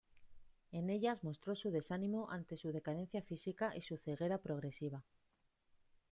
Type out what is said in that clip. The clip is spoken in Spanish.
En ellas mostró su desánimo ante su decadencia física y su ceguera progresiva.